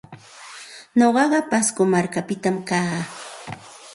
Nuqaqa Pasco markapita kaa.